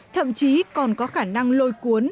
thậm chí còn có khả năng lôi cuốn